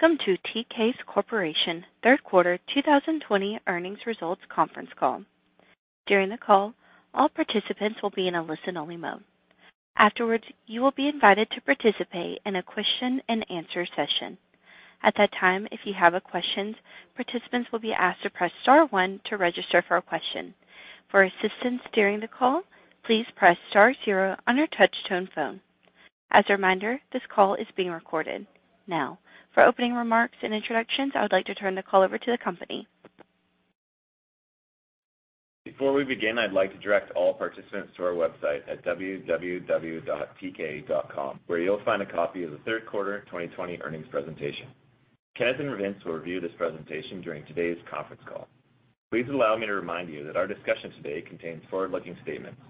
Welcome to Teekay's Corporation third quarter 2020 earnings results conference call. During the call, all participants will be in a listen-only mode. Afterwards, you will be invited to participate in a question and answer session. At that time, if you have a question, participants will be asked to press star one to register for a question. For assistance during the call, please press star zero on your touch-tone phone. As a reminder, this call is being recorded. Now, for opening remarks and introductions, I would like to turn the call over to the company. Before we begin, I'd like to direct all participants to our website at www.teekay.com, where you'll find a copy of the third quarter 2020 earnings presentation. Ken and Vince will review this presentation during today's conference call. Please allow me to remind you that our discussion today contains forward-looking statements.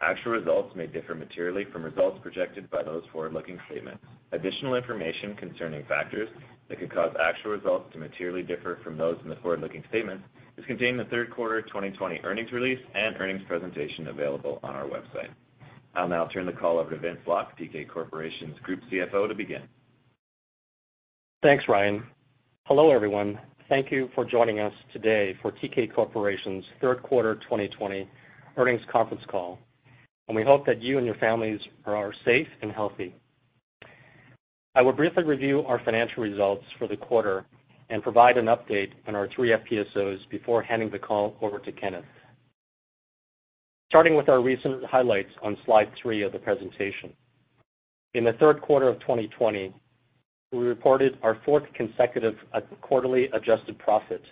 Actual results may differ materially from results projected by those forward-looking statements. Additional information concerning factors that could cause actual results to materially differ from those in the forward-looking statements is contained in the third quarter 2020 earnings release and earnings presentation available on our website. I'll now turn the call over to Vince Lok, Teekay Corporation's Group CFO, to begin. Thanks, Ryan. Hello, everyone. Thank you for joining us today for Teekay Corporation's third quarter 2020 earnings conference call. We hope that you and your families are safe and healthy. I will briefly review our financial results for the quarter and provide an update on our three FPSOs before handing the call over to Kenneth. Starting with our recent highlights on slide three of the presentation. In the third quarter of 2020, we reported our fourth consecutive quarterly adjusted profit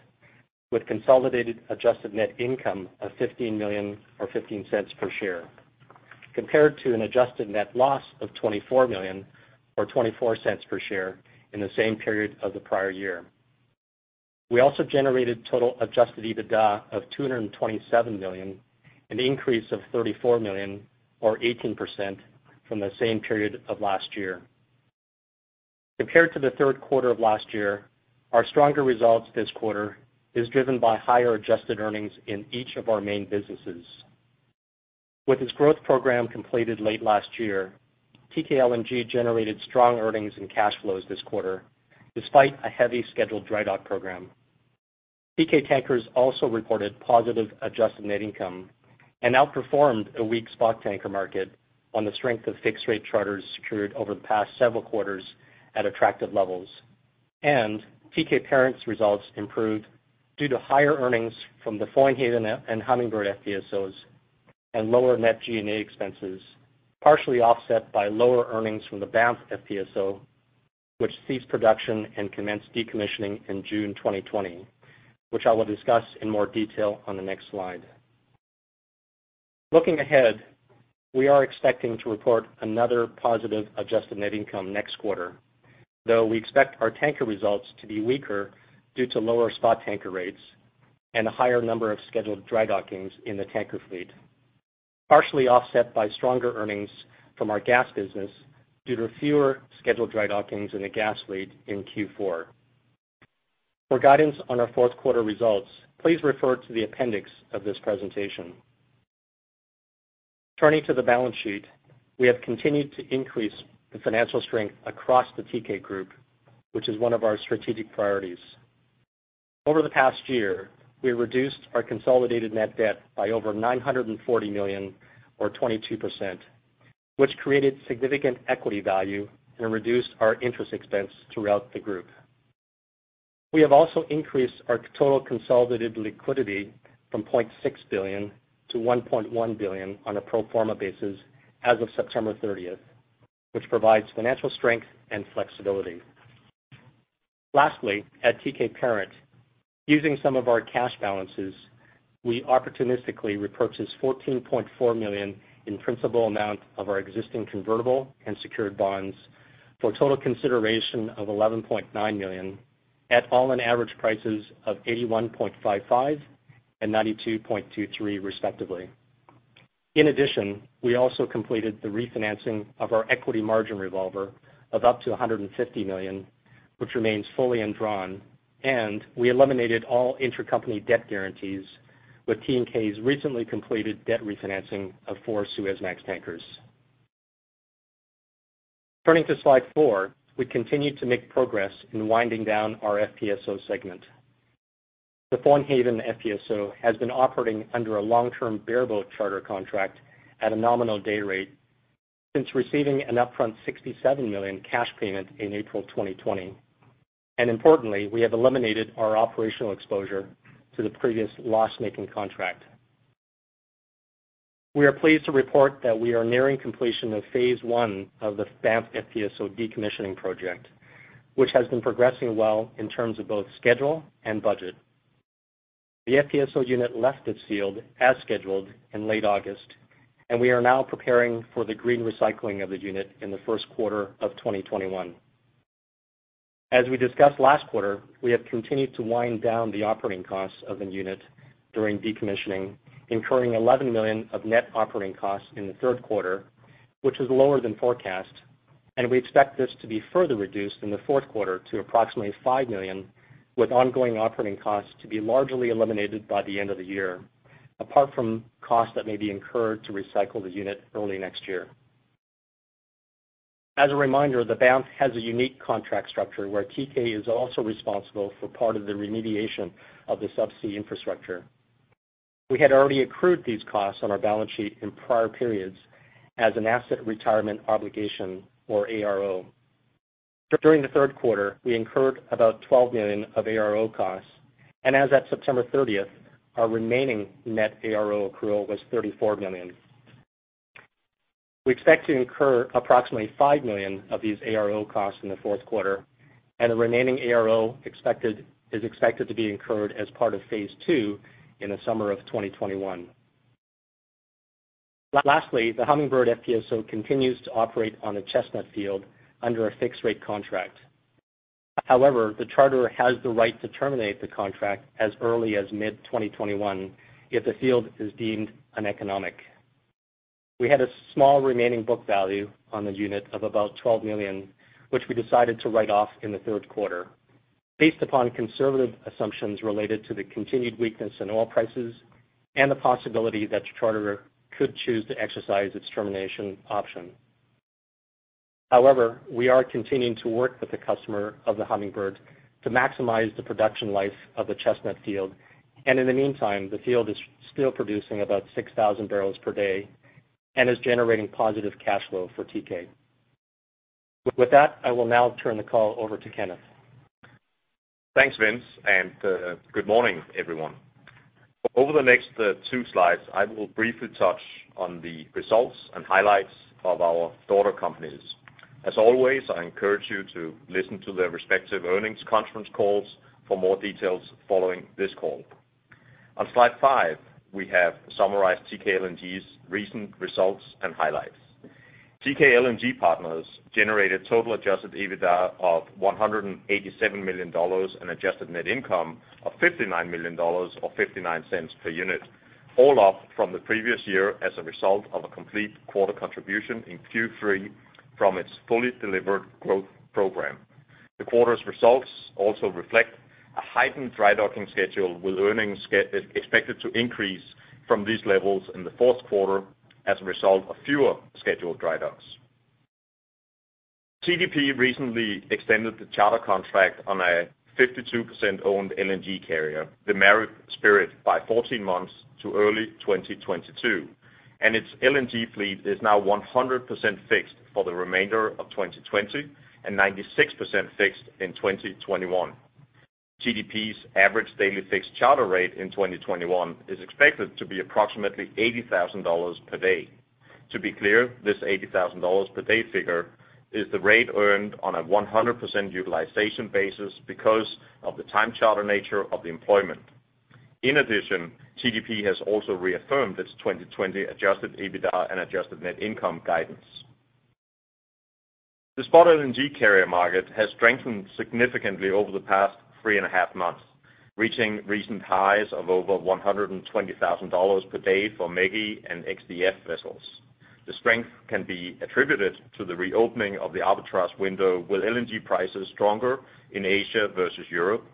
with consolidated adjusted net income of $15 million, or $0.15 per share, compared to an adjusted net loss of $24 million or $0.24 per share in the same period of the prior year. We also generated total adjusted EBITDA of $227 million, an increase of $34 million or 18% from the same period of last year. Compared to the third quarter of last year, our stronger results this quarter is driven by higher adjusted earnings in each of our main businesses. With its growth program completed late last year, Teekay LNG generated strong earnings and cash flows this quarter, despite a heavy scheduled drydock program. Teekay Tankers also reported positive adjusted net income and outperformed a weak spot tanker market on the strength of fixed-rate charters secured over the past several quarters at attractive levels, Teekay Parent's results improved due to higher earnings from the Foinaven and Hummingbird FPSOs and lower net G&A expenses, partially offset by lower earnings from the Banff FPSO, which ceased production and commenced decommissioning in June 2020, which I will discuss in more detail on the next slide. Looking ahead, we are expecting to report another positive adjusted net income next quarter, though we expect our tanker results to be weaker due to lower spot tanker rates and a higher number of scheduled drydockings in the tanker fleet, partially offset by stronger earnings from our gas business due to fewer scheduled drydockings in the gas fleet in Q4. For guidance on our fourth quarter results, please refer to the appendix of this presentation. We have continued to increase the financial strength across the Teekay Group, which is one of our strategic priorities. Over the past year, we reduced our consolidated net debt by over $940 million or 22%, which created significant equity value and reduced our interest expense throughout the group. We have also increased our total consolidated liquidity from $0.6 billion-$1.1 billion on a pro forma basis as of September 30th, which provides financial strength and flexibility. Lastly, at Teekay Parent, using some of our cash balances, we opportunistically repurchased $14.4 million in principal amount of our existing convertible and secured bonds for a total consideration of $11.9 million at all-in average prices of 81.55 and 92.23, respectively. In addition, we also completed the refinancing of our equity margin revolver of up to $150 million, which remains fully undrawn, and we eliminated all intercompany debt guarantees with Teekay's recently completed debt refinancing of four Suezmax tankers. Turning to slide four, we continue to make progress in winding down our FPSO segment. The Foinaven FPSO has been operating under a long-term bareboat charter contract at a nominal day rate since receiving an upfront $67 million cash payment in April 2020. Importantly, we have eliminated our operational exposure to the previous loss-making contract. We are pleased to report that we are nearing completion of phase I of the Banff FPSO decommissioning project, which has been progressing well in terms of both schedule and budget. The FPSO unit left its field as scheduled in late August, and we are now preparing for the green recycling of the unit in the first quarter of 2021. As we discussed last quarter, we have continued to wind down the operating costs of the unit during decommissioning, incurring $11 million of net operating costs in the third quarter, which is lower than forecast, and we expect this to be further reduced in the fourth quarter to approximately $5 million with ongoing operating costs to be largely eliminated by the end of the year, apart from costs that may be incurred to recycle the unit early next year. As a reminder, the Banff has a unique contract structure where Teekay is also responsible for part of the remediation of the sub-sea infrastructure. We had already accrued these costs on our balance sheet in prior periods as an asset retirement obligation or ARO. During the third quarter, we incurred about $12 million of ARO costs, and as at September 30th, our remaining net ARO accrual was $34 million. We expect to incur approximately $5 million of these ARO costs in the fourth quarter, and the remaining ARO is expected to be incurred as part of phase II in the summer of 2021. Lastly, the Hummingbird FPSO continues to operate on the Chestnut field under a fixed-rate contract. However, the charterer has the right to terminate the contract as early as mid-2021 if the field is deemed uneconomic. We had a small remaining book value on the unit of about $12 million, which we decided to write off in the third quarter based upon conservative assumptions related to the continued weakness in oil prices and the possibility that the charterer could choose to exercise its termination option. However, we are continuing to work with the customer of the Hummingbird to maximize the production life of the Chestnut field. In the meantime, the field is still producing about 6,000 bpd and is generating positive cash flow for Teekay. With that, I will now turn the call over to Kenneth. Thanks, Vince, and good morning, everyone. Over the next two slides, I will briefly touch on the results and highlights of our daughter companies. As always, I encourage you to listen to their respective earnings conference calls for more details following this call. On slide five, we have summarized Teekay LNG's recent results and highlights. Teekay LNG Partners generated total adjusted EBITDA of $187 million and adjusted net income of $59 million or $0.59 per unit, all up from the previous year as a result of a complete quarter contribution in Q3 from its fully delivered growth program. The quarter's results also reflect a heightened dry docking schedule, with earnings expected to increase from these levels in the fourth quarter as a result of fewer scheduled dry docks. TGP recently extended the charter contract on a 52%-owned LNG carrier, the Methane Spirit, by 14 months to early 2022, and its LNG fleet is now 100% fixed for the remainder of 2020 and 96% fixed in 2021. TGP's average daily fixed charter rate in 2021 is expected to be approximately $80,000 per day. To be clear, this $80,000 per day figure is the rate earned on a 100% utilization basis because of the time charter nature of the employment. In addition, TGP has also reaffirmed its 2020 adjusted EBITDA and adjusted net income guidance. The spot LNG carrier market has strengthened significantly over the past three-and-a-half months, reaching recent highs of over $120,000 per day for ME-GI and X-DF vessels. The strength can be attributed to the reopening of the arbitrage window with LNG prices stronger in Asia versus Europe,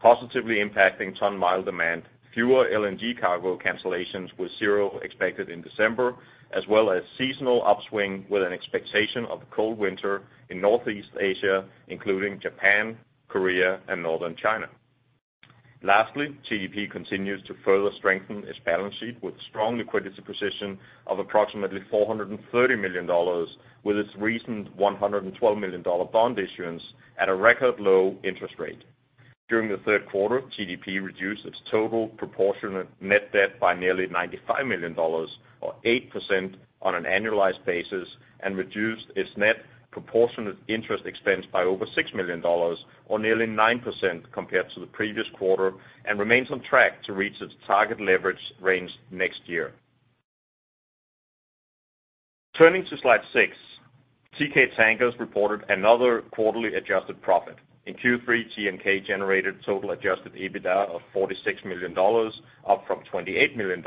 positively impacting ton mile demand, fewer LNG cargo cancellations with zero expected in December, as well as seasonal upswing with an expectation of a cold winter in Northeast Asia, including Japan, Korea, and Northern China. Lastly, TGP continues to further strengthen its balance sheet with a strong liquidity position of approximately $430 million with its recent $112 million bond issuance at a record low interest rate. During the third quarter, TGP reduced its total proportionate net debt by nearly $95 million or 8% on an annualized basis and reduced its net proportionate interest expense by over $6 million or nearly 9% compared to the previous quarter and remains on track to reach its target leverage range next year. Turning to slide six, Teekay Tankers reported another quarterly adjusted profit. In Q3, TNK generated total adjusted EBITDA of $46 million, up from $28 million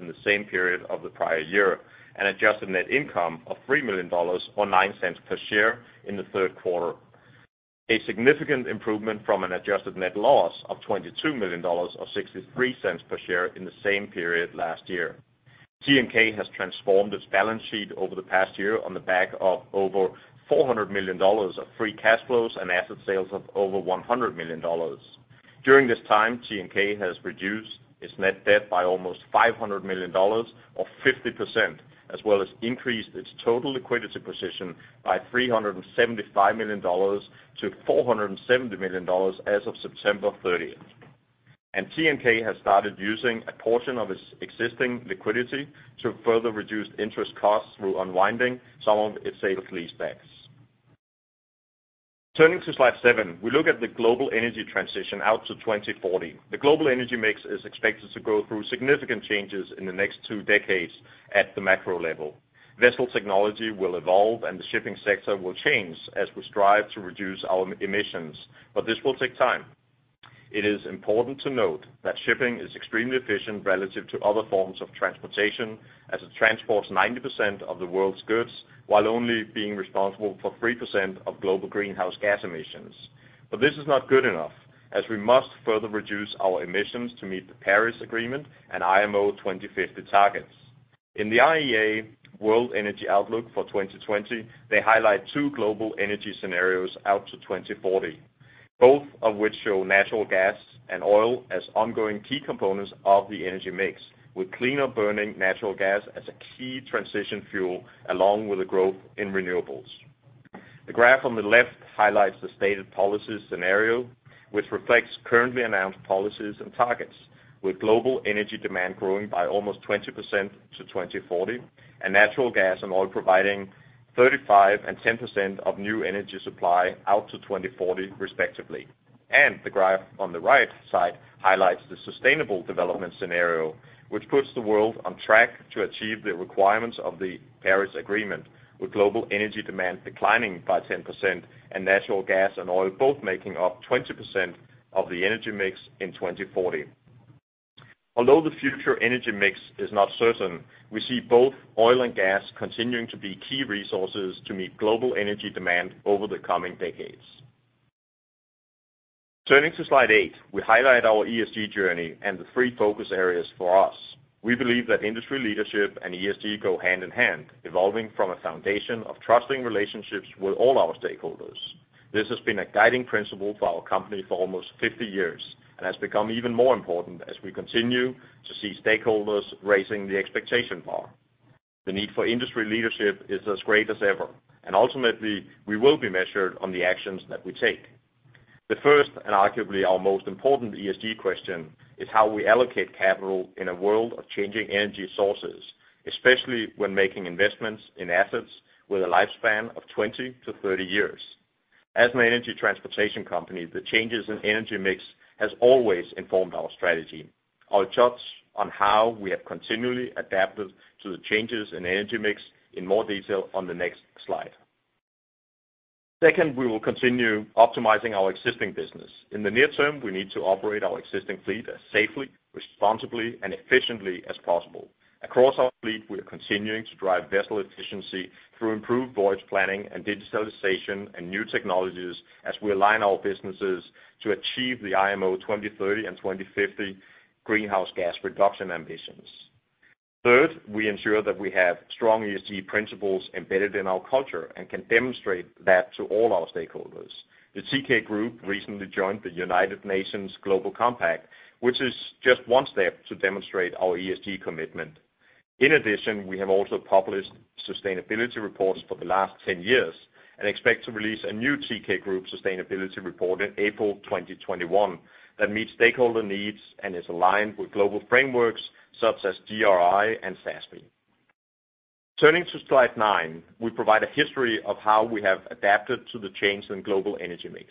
in the same period of the prior year, and adjusted net income of $3 million or $0.09 per share in the third quarter, a significant improvement from an adjusted net loss of $22 million or $0.63 per share in the same period last year. TNK has transformed its balance sheet over the past year on the back of over $400 million of free cash flows and asset sales of over $100 million. During this time, TNK has reduced its net debt by almost $500 million or 50%, as well as increased its total liquidity position by $375 million-$470 million as of September 30th. TNK has started using a portion of its existing liquidity to further reduce interest costs through unwinding some of its sale leasebacks. Turning to slide seven, we look at the global energy transition out to 2040. The global energy mix is expected to go through significant changes in the next two decades at the macro level. Vessel technology will evolve, and the shipping sector will change as we strive to reduce our emissions, but this will take time. It is important to note that shipping is extremely efficient relative to other forms of transportation, as it transports 90% of the world's goods while only being responsible for 3% of global greenhouse gas emissions. This is not good enough, as we must further reduce our emissions to meet the Paris Agreement and IMO 2050 targets. In the IEA World Energy Outlook for 2020, they highlight two global energy scenarios out to 2040, both of which show natural gas and oil as ongoing key components of the energy mix, with cleaner-burning natural gas as a key transition fuel, along with the growth in renewables. The graph on the left highlights the stated policy scenario, which reflects currently announced policies and targets, with global energy demand growing by almost 20% to 2040, and natural gas and oil providing 35% and 10% of new energy supply out to 2040 respectively. The graph on the right side highlights the Sustainable Development Scenario, which puts the world on track to achieve the requirements of the Paris Agreement, with global energy demand declining by 10%, and natural gas and oil both making up 20% of the energy mix in 2040. Although the future energy mix is not certain, we see both oil and gas continuing to be key resources to meet global energy demand over the coming decades. Turning to slide eight, we highlight our ESG journey and the three focus areas for us. We believe that industry leadership and ESG go hand in hand, evolving from a foundation of trusting relationships with all our stakeholders. This has been a guiding principle for our company for almost 50 years and has become even more important as we continue to see stakeholders raising the expectation bar. Ultimately, we will be measured on the actions that we take. The first, and arguably our most important ESG question, is how we allocate capital in a world of changing energy sources, especially when making investments in assets with a lifespan of 20 to 30 years. As an energy transportation company, the changes in energy mix has always informed our strategy. I'll touch on how we have continually adapted to the changes in energy mix in more detail on the next slide. Second, we will continue optimizing our existing business. In the near term, we need to operate our existing fleet as safely, responsibly, and efficiently as possible. Across our fleet, we are continuing to drive vessel efficiency through improved voyage planning and digitalization and new technologies as we align our businesses to achieve the IMO 2030 and 2050 greenhouse gas reduction ambitions. Third, we ensure that we have strong ESG principles embedded in our culture and can demonstrate that to all our stakeholders. The Teekay Group recently joined the United Nations Global Compact, which is just one step to demonstrate our ESG commitment. We have also published sustainability reports for the last 10 years and expect to release a new Teekay Group Sustainability Report in April 2021 that meets stakeholder needs and is aligned with global frameworks such as GRI and SASB. Turning to slide nine, we provide a history of how we have adapted to the change in global energy mix.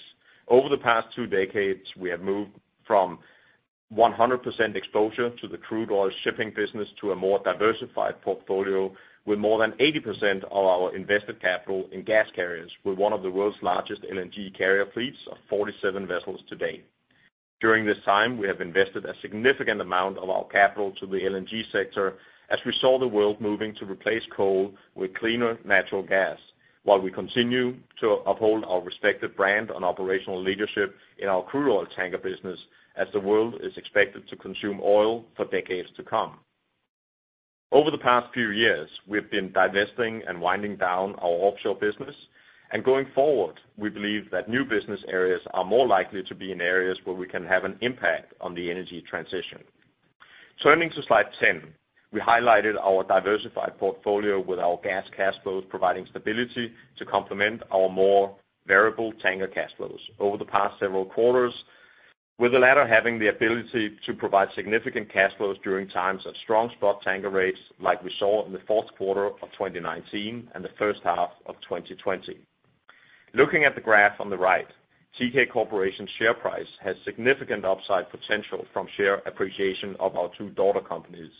Over the past two decades, we have moved from 100% exposure to the crude oil shipping business to a more diversified portfolio, with more than 80% of our invested capital in gas carriers, with one of the world's largest LNG carrier fleets of 47 vessels today. During this time, we have invested a significant amount of our capital to the LNG sector as we saw the world moving to replace coal with cleaner natural gas. While we continue to uphold our respective brand and operational leadership in our crude oil tanker business as the world is expected to consume oil for decades to come. Over the past few years, we've been divesting and winding down our offshore business, and going forward, we believe that new business areas are more likely to be in areas where we can have an impact on the energy transition. Turning to slide 10, we highlighted our diversified portfolio with our gas cash flows providing stability to complement our more variable tanker cash flows over the past several quarters, with the latter having the ability to provide significant cash flows during times of strong spot tanker rates like we saw in the fourth quarter of 2019 and the first half of 2020. Looking at the graph on the right, Teekay Corporation's share price has significant upside potential from share appreciation of our two daughter companies,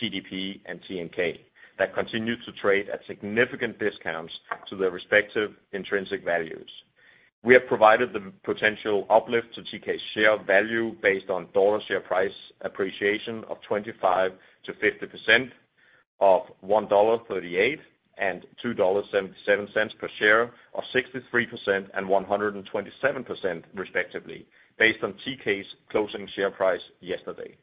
TGP and TNK, that continue to trade at significant discounts to their respective intrinsic values. We have provided the potential uplift to Teekay's share value based on dollar share price appreciation of 25%-50% of $1.38 and $2.77 per share of 63% and 127%, respectively, based on Teekay's closing share price yesterday.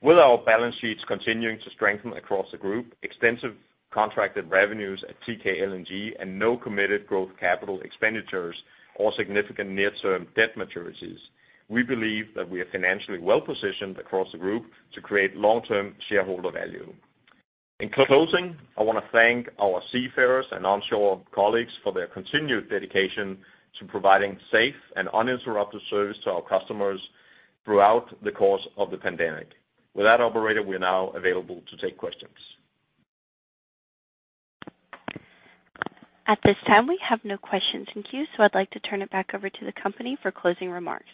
With our balance sheets continuing to strengthen across the group, extensive contracted revenues at Teekay LNG, and no committed growth capital expenditures or significant near-term debt maturities, we believe that we are financially well positioned across the group to create long-term shareholder value. In closing, I want to thank our seafarers and onshore colleagues for their continued dedication to providing safe and uninterrupted service to our customers throughout the course of the pandemic. With that, operator, we are now available to take questions. At this time, we have no questions in queue, I'd like to turn it back over to the company for closing remarks.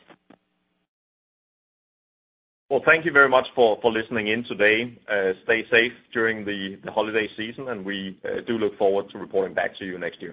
Well, thank you very much for listening in today. Stay safe during the holiday season, and we do look forward to reporting back to you next year.